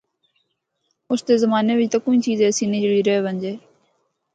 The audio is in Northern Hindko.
اس زمانے وچ تے کوئی ایہجی چیز نینھ جہیڑ رہ ونجے۔